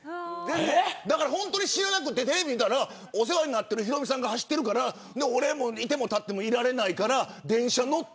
だから本当に知らなくてテレビ見たら、お世話になってるヒロミさんが走ってるから居ても立ってもいられないから電車に乗って。